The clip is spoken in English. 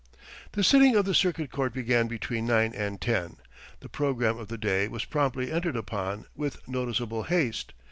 The sitting of the circuit court began between nine and ten. The programme of the day was promptly entered upon, with noticeable haste.